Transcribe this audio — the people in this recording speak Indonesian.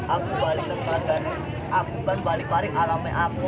apa apa aku balik balik alamnya aku